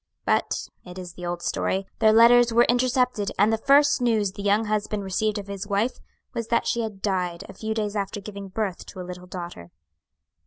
"But it is the old story their letters were intercepted, and the first news the young husband received of his wife was that she had died a few days after giving birth to a little daughter."